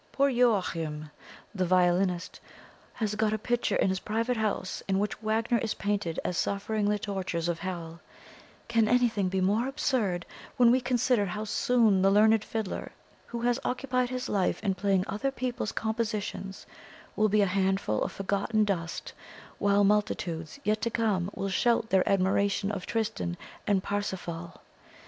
Poor Joachim, the violinist, has got a picture in his private house, in which Wagner is painted as suffering the tortures of hell; can anything be more absurd, when we consider how soon the learned fiddler, who has occupied his life in playing other people's compositions, will be a handful of forgotten dust, while multitudes yet to come will shout their admiration of 'Tristran' and 'Parsifal.'